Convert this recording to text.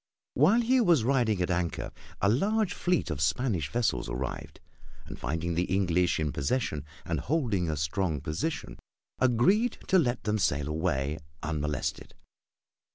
While he was riding at anchor a large fleet of Spanish vessels arrived, and finding the English in possession and holding a strong position, agreed to let them sail away unmolested.